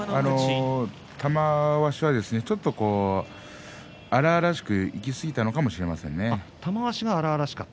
玉鷲は少し荒々しくいきすぎたのかもしれませんね。